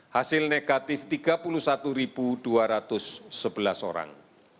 hasil negatif tiga puluh satu dua ratus sebelas orang